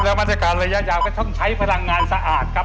แล้วมาตรการระยะยาวก็ต้องใช้พลังงานสะอาดครับ